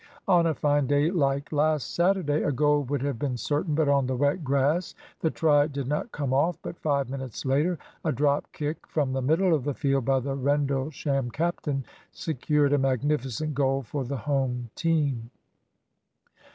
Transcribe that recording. On a fine day like last Saturday a goal would have been certain, but on the wet grass, the try did not come off. But five minutes later, a drop kick from the middle of the field by the Rendlesham captain secured a magnificent goal for the home team.